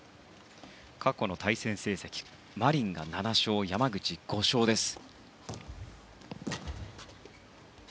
過去の対戦成績マリンが７勝山口、５勝です。